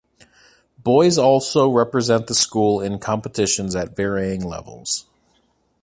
Boys also represent the school in competitions at varying levels.